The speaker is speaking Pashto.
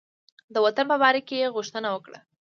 د وطن په باره کې یې پوښتنه وکړه.